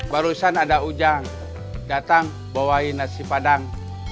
baru saja ada ujang datang bawa nasi padang